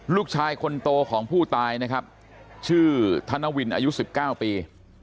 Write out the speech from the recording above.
ลูกชายคนโตของผู้ตายนะครับชื่อธนวินอายุ๑๙ปี